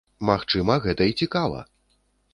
Магчыма, гэта і цікава!